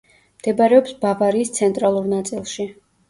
მდებარეობს ბავარიის ცენტრალურ ნაწილში.